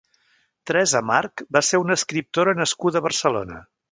Teresa March va ser una escriptora nascuda a Barcelona.